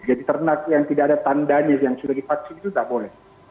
jadi ternak yang tidak ada tandanya yang sudah divaksin itu tidak boleh